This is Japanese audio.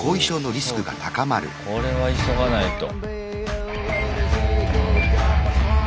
これは急がないと。